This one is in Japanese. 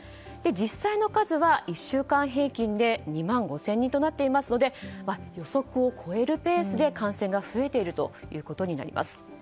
実際の数は、１週間平均で２万５０００人となっているので予測を超えるペースで感染が増えているということになります。